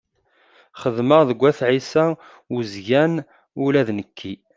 Xeddmeɣ deg At Ɛisa Uzgan. Ula d nekk.